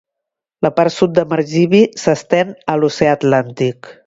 La part sud de Margibi s'estén a l'oceà atlàntic.